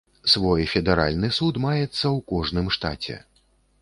Свой федэральны суд маецца ў кожным штаце.